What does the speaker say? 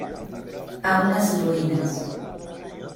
A unes ruïnes.